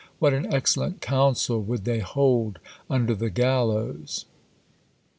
What an excellent council would they hold under the gallows!"